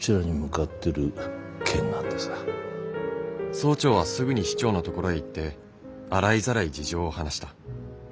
総長はすぐに市長のところへ行って洗いざらい事情を話した。